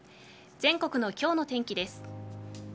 全国の今日の天気です。